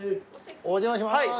お邪魔します。